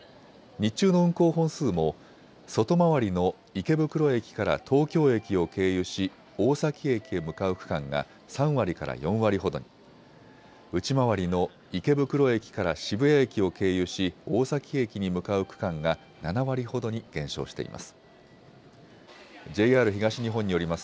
日中の運行本数も外回りの池袋駅から東京駅を経由し大崎駅に向かう区間が３割から４割ほどに、内回りの池袋駅から渋谷駅を経由し大崎駅に向かう区間が７割ほどに減少しています。